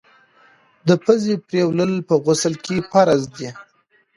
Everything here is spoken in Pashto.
د پزي پرېولل په غسل کي فرض دي.